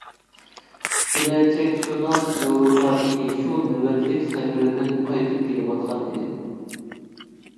كېلەچەكشۇناس ياۋروپادىكى شۇ نۆۋەتلىك سەپىرىدىن قايتىپ كېلىۋاتقان ئىدى.